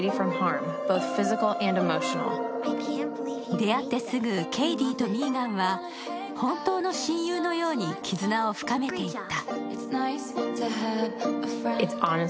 出会ってすぐケイディとミーガンは本当の親友のように絆を深めていった。